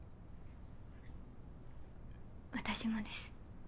私もです。